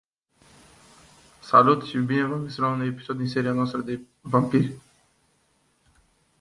It would later be reissued in different formats.